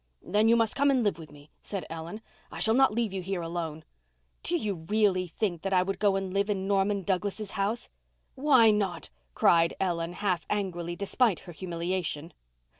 "Then you must come and live with me," said Ellen. "I shall not leave you here alone." "Do you really think that I would go and live in Norman Douglas's house?" "Why not?" cried Ellen, half angrily, despite her humiliation.